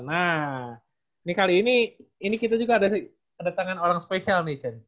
nah ini kali ini kita juga ada tangan orang spesial nih